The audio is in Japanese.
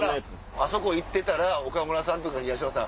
あそこ行ってたら岡村さんと東野さん